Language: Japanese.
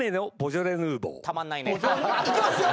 いきますよ。